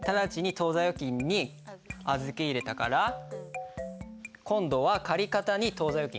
当座預金に預け入れたから今度は借方に当座預金。